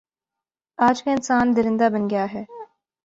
آج کا انسان درندہ بن گیا ہے